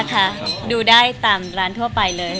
ได้ดูกับร้านทั่วไปเลย